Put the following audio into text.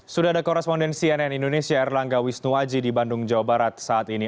sudah ada korespondensi nn indonesia erlangga wisnuwaji di bandung jawa barat saat ini